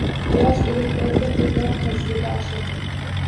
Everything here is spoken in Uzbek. Yosh elektrotexniklar tajriba oshirdi